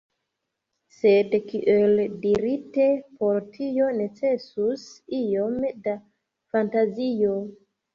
Sed kiel dirite, por tio necesus iom da fantazio.